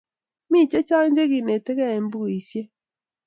Mi chechang' che kenetikey eng' pukuisyek